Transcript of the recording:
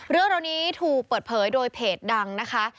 เรื่องนี้ถูกเปิดเผยโดยเพจดังนะคะ